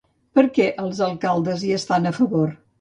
Per què els alcaldes hi estan a favor?